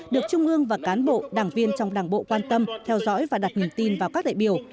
được trung ương và cán bộ đảng viên trong đảng bộ quan tâm theo dõi và đặt niềm tin vào các đại biểu